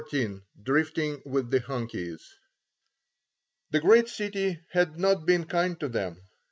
XIV DRIFTING WITH THE "HUNKIES" THE great city had not been kind to them.